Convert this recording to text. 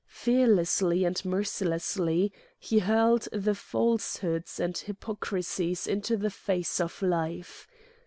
Fearlessly and mercilessly he hurled the falsehoods and hypocrisies into the face of life.